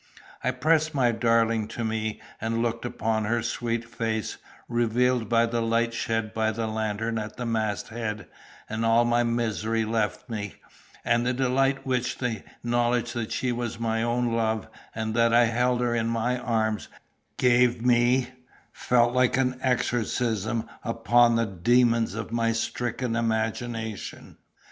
I pressed my darling to me, and looked upon her sweet face, revealed by the light shed by the lantern at the masthead, and all my misery left me; and the delight which the knowledge that she was my own love, and that I held her in my arms, gave me, fell like an exorcism upon the demons of my stricken imagination.